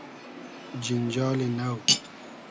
جینجالی نۆ